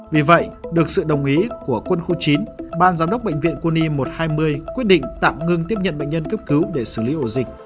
vì vậy được sự đồng ý của quân khu chín ban giám đốc bệnh viện quân y một trăm hai mươi quyết định tạm ngưng tiếp nhận bệnh nhân cấp cứu để xử lý ổ dịch